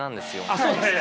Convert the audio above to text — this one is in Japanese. あっそうですか。